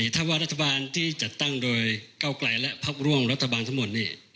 ถ้าว่ารัฐบาลที่จัดตั้งโดยเก้าไกลและพักร่วมรัฐบาลทั้งหมดนี่